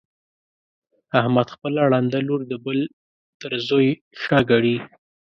احمد خپله ړنده لور د بل تر زوی ښه ګڼي.